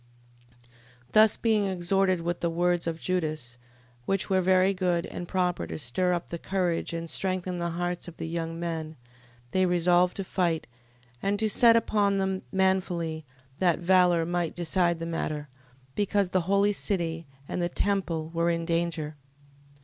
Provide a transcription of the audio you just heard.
15:17. Thus being exhorted with the words of Judas, which were very good, and proper to stir up the courage, and strengthen the hearts of the young men, they resolved to fight, and to set upon them manfully: that valour might decide the matter, because the holy city, and the temple were in danger.